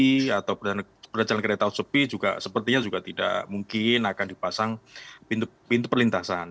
misal jalan itu sepi atau berjalan kereta sepi juga sepertinya juga tidak mungkin akan dipasang pintu perlintasan